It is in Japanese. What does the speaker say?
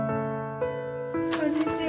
こんにちは。